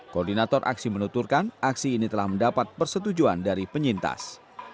koordinator aksi menuturkan aksi ini telah mendapat persetujuan dari penyintas